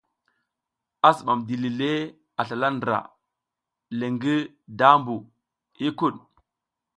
A zibam dili le a slala ndra le ngi daʼmbu huykuɗ.